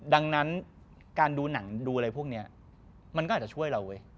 ดังนั้นการดูหนังดูอะไรพวกนี้มันก็อาจจะช่วยเราเว้ย